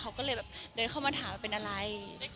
เขาก็เลยแบบเดินเข้ามาถามว่าเป็นอะไร